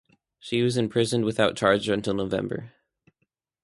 She was imprisoned without charge until November.